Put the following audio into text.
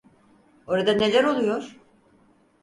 Orada neler oluyor?